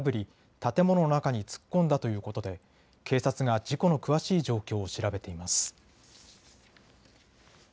建物の中に突っ込んだということで警察が事故の詳しい状況を調べています。